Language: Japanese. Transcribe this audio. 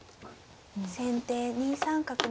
先手２三角成。